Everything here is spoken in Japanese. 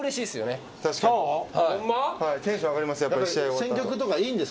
テンション上がります。